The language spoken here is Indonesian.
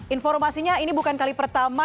informasinya ini bukan kali pertama